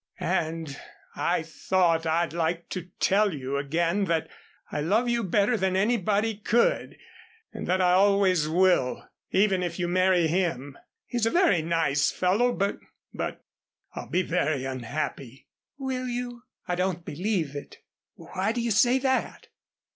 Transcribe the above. "And I thought I'd like to tell you again that I love you better than anybody could and that I always will, even if you marry him. He's a very nice fellow but but I'll be very unhappy " "Will you? I don't believe it." "Why do you say that?"